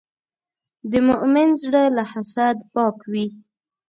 د مؤمن زړه له حسد پاک وي.